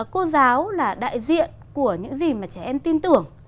cô giáo là đại diện của những gì mà trẻ em tin tưởng